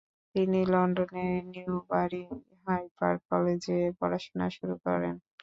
তিনি লন্ডনের নিউবারি হাইপার্ক কলেজে পড়াশোনা শুরু করেন।